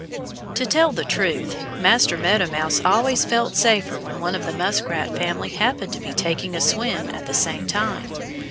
To tell the truth, Master Meadow Mouse always felt safer when one of the Muskrat family happened to be taking a swim at the same time.